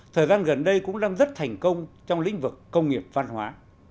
thời gian gần đây cũng đang rất thành công trong lĩnh vực công nghiệp văn hóa